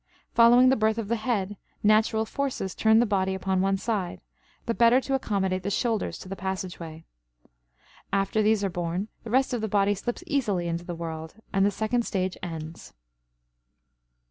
Following the birth of the head, natural forces turn the body upon one side, the better to accommodate the shoulders to the passageway. After these are born, the rest of the body slips easily into the world, and the second stage ends.